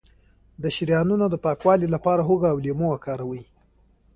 د شریانونو د پاکوالي لپاره هوږه او لیمو وکاروئ